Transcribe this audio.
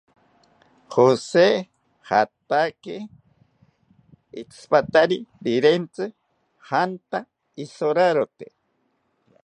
Jose jataki itsipatari rirentzi janta isorarote